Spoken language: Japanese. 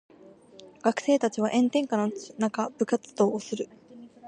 学生たちは炎天下の中部活動をする。